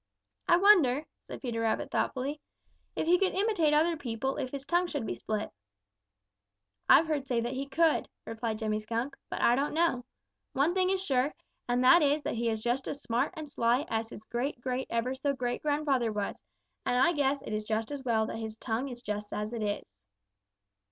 "I wonder," said Peter Rabbit thoughtfully, "if he could imitate other people if his tongue should be split." "I've heard say that he could," replied Jimmy Skunk, "but I don't know. One thing is sure, and that is that he is just as smart and sly as his great great ever so great grandfather was, and I guess it is just as well that his tongue is just as it is."